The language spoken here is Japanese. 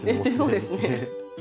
そうですね。